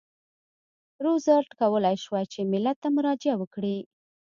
روزولټ کولای شوای چې ملت ته مراجعه وکړي.